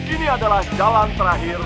ini adalah jalan terakhir